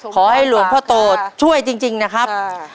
ขอให้หลวงพ่อโตช่วยจริงนะครับ